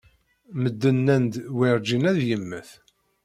Medden nnan-d werjin ad yemmet.